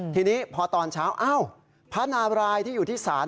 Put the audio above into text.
ทีนี้พอตอนเช้าอ้าวพระนารายที่อยู่ที่ศาล